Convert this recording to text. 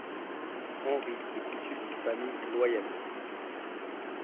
Henry est issu d'une famille loyaliste.